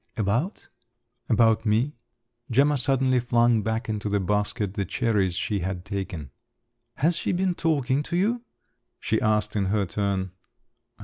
"About me?" Gemma suddenly flung back into the basket the cherries she had taken. "Has she been talking to you?" she asked in her turn.